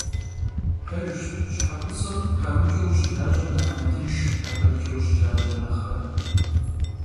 Пэжщ, щхьэ куцӀыр къарукӀэ ущылажьэм нэхъ мэтынш, акъылкӀэ ущылажьэм нэхърэ.